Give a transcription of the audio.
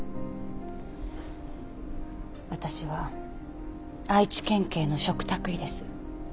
私は愛知県警の嘱託医です。